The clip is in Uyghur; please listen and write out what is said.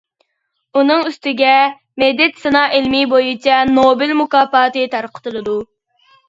ئۇنىڭ ئۈستىگە، مېدىتسىنا ئىلمى بويىچە نوبېل مۇكاپاتى تارقىتىلىدۇ.